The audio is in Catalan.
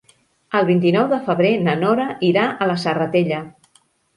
El vint-i-nou de febrer na Nora irà a la Serratella.